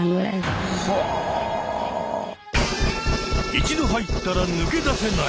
一度入ったら抜け出せない？